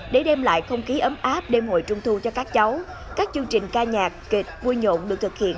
để đem lại không khí ấm áp đêm hội trung thu cho các cháu các chương trình ca nhạc kịch vui nhộn được thực hiện